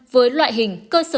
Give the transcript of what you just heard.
với loại hình cơ sở dịch vụ